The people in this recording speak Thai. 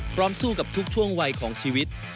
สู้กับทุกช่วงวัยของชีวิต